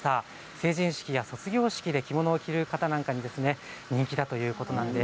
成人式や卒業式で着物を着る方なんかにも人気ということです。